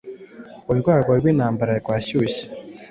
Urwango rwintambara rwashyushye